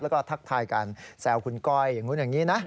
แล้วก็ทักทายกันแซวคุณก้อยอย่างนู้นอย่างนี้นะ